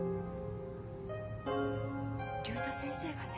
竜太先生がね